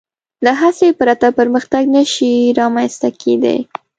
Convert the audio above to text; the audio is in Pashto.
له هڅې پرته پرمختګ نهشي رامنځ ته کېدی.